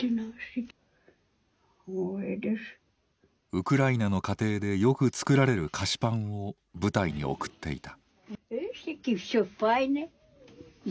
ウクライナの家庭でよく作られる菓子パンを部隊に送っていた。